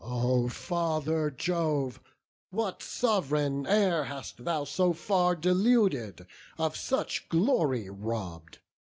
O Father Jove! what sov'reign e'er hast thou So far deluded, of such glory robb'd?